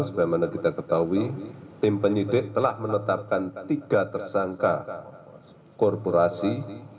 sebagaimana kita ketahui tim penyidik telah menetapkan tiga tersangka korporasi